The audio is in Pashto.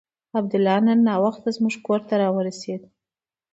عبدالله نن ناوخته زموږ کور ته راورسېد.